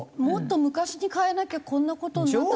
もっと昔に変えなきゃこんな事に。